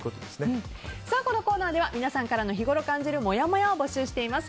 このコーナーでは皆さんからの日ごろ感じるもやもやを募集します。